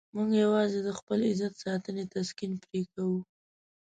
موږ یوازې د خپل عزت ساتنې تسکین پرې کوو.